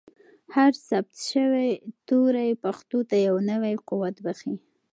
هر ثبت شوی توری پښتو ته یو نوی قوت بښي.